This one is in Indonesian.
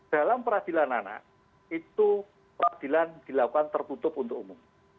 dalam peradilan anak itu peradilan dilakukan tertutup untuk umum